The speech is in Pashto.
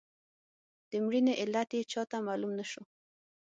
د مړینې علت یې چاته معلوم نه شو.